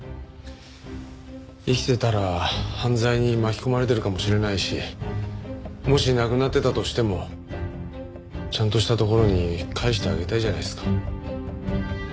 生きてたら犯罪に巻き込まれてるかもしれないしもし亡くなっていたとしてもちゃんとしたところに帰してあげたいじゃないですか。